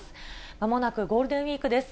まもなくゴールデンウィークです。